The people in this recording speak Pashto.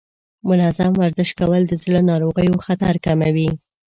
منظم ورزش کول د زړه ناروغیو خطر کموي.